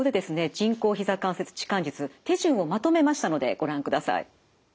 人工ひざ関節置換術手順をまとめましたのでご覧ください。